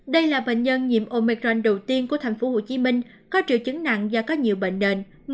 đây là bệnh nhân nhiễm omecran đầu tiên của tp hcm có triệu chứng nặng do có nhiều bệnh nền